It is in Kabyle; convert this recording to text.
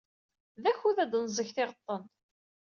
D akud ad d-neẓẓeg tiɣeṭṭen.